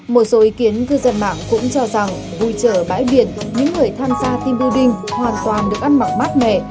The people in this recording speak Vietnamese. một số ý kiến cư dân mạng cũng cho rằng vui trở bãi biển những người tham gia team building hoàn toàn được ăn mặc mát mẻ